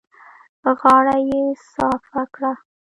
غاړه يې صافه کړه.